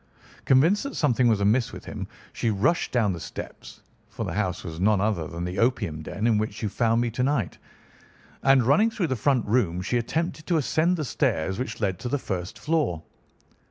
"Convinced that something was amiss with him, she rushed down the steps—for the house was none other than the opium den in which you found me to night—and running through the front room she attempted to ascend the stairs which led to the first floor.